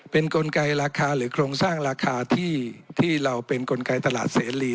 เป็นกลไกราคาหรือโครงสร้างราคาที่เราเป็นกลไกตลาดเสรี